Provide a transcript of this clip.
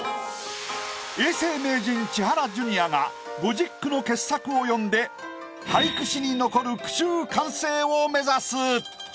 永世名人千原ジュニアが５０句の傑作を詠んで俳句史に残る句集完成を目指す。